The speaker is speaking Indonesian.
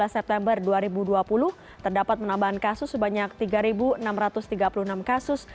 dua belas september dua ribu dua puluh terdapat penambahan kasus sebanyak tiga enam ratus tiga puluh enam kasus